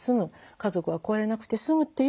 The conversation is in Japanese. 家族は壊れなくて済むっていう。